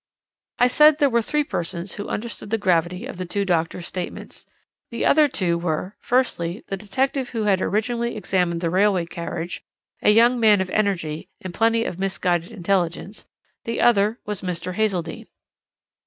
"I said there were three persons who understood the gravity of the two doctors' statements the other two were, firstly, the detective who had originally examined the railway carriage, a young man of energy and plenty of misguided intelligence, the other was Mr. Hazeldene.